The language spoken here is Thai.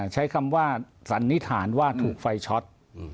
ใช้คำว่าสันนิษฐานว่าถูกไฟช็อต